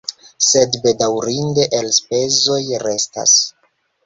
Sed bedaŭrinde elspezoj restas.